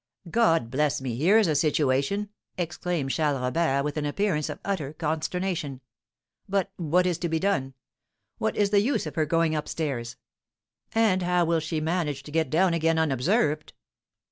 "God bless me! Here's a situation!" exclaimed Charles Robert, with an appearance of utter consternation. "But what is to be done? What is the use of her going up stairs? And how will she manage to get down again unobserved?"